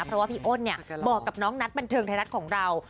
เพราะว่าพี่อ้นบอกกับน้องนัทบันเทิงไทยรัฐของเรา